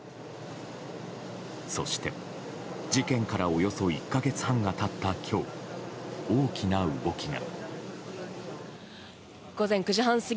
そして事件からおよそ１か月半が経った今日大きな動きが。